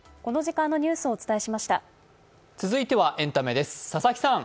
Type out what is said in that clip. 続いてはエンタメです。